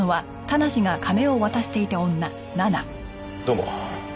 どうも。